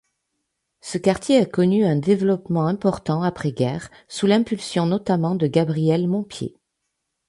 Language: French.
Ce quartier a connu un développement important après-guerre, sous l'impulsion notamment de Gabriel Montpied.